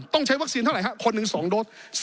ต้องใช้วัคซีนเท่าไหร่คนหนึ่ง๒โดส